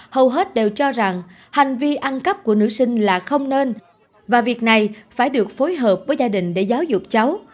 hầu hết đều cho rằng hành vi ăn cắp của nữ sinh là không nên và việc này phải được phối hợp với gia đình để giáo dục cháu